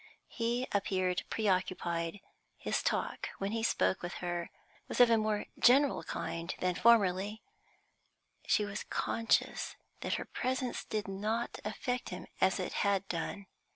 He appeared preoccupied; his talk, when he spoke with her, was of a more general kind than formerly; she was conscious that her presence did not affect him as it had done.